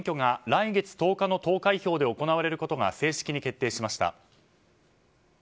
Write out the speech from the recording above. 来月１０日の投開票で行われることが正式に決定しました。